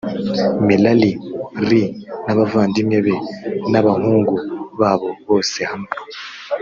merari r n abavandimwe be n abahungu babo bose hamwe